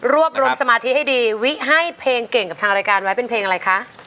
รวบรวมสมาธิให้ดีวิให้เพลงเก่งกับทางรายการไว้เป็นเพลงอะไรคะ